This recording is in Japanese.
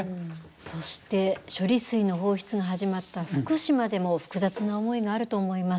そして処理水の放出が始まった福島でも複雑な思いがあると思います。